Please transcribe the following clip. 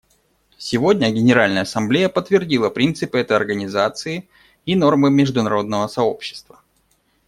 Сегодня Генеральная Ассамблея подтвердила принципы этой Организации и нормы международного сообщества.